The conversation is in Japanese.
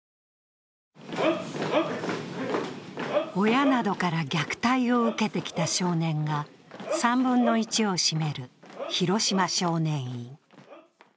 親などから虐待を受けてきた少年が３分の１を占める広島少年院。